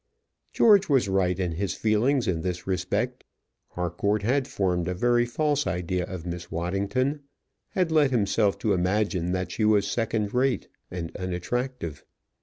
George was right in his feelings in this respect. Harcourt had formed a very false idea of Miss Waddington; had led himself to imagine that she was second rate and unattractive.